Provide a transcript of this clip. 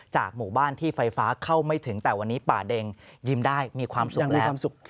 หมู่บ้านที่ไฟฟ้าเข้าไม่ถึงแต่วันนี้ป่าเด็งยิ้มได้มีความสุขแล้ว